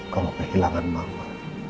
kamu kehilangan mama